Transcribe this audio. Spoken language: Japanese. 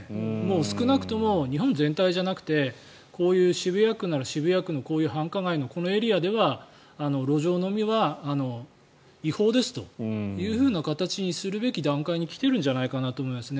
少なくとも日本全体じゃなくてこういう渋谷区なら渋谷区のこういう繁華街のこのエリアでは路上飲みは違法ですという形にするべき段階に来ているんじゃないかなと思いますね。